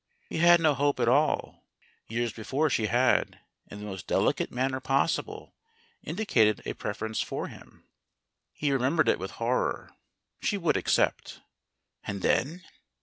He had no hope at all. Years before she had, in the most deli cate manner possible, indicated a preference for him. 8o STORIES WITHOUT TEARS He remembered it with horror. She would accept. And then